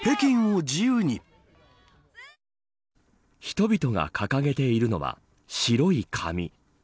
人々が掲げているのは白い紙。